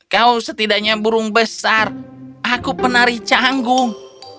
kau setidaknya burung besar aku penari canggung